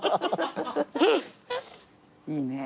いいね。